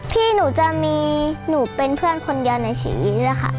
พี่หนูจะมีหนูเป็นเพื่อนคนเดียวในชีวิตเลยค่ะ